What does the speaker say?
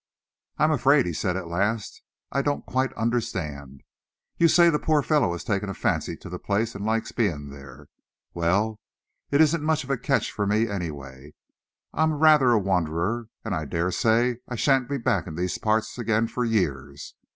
"I am afraid," he said at last, "I don't quite understand. You say the poor fellow has taken a fancy to the place and likes being there. Well, it isn't much of a catch for me, anyway. I'm rather a wanderer, and I dare say I shan't be back in these parts again for years.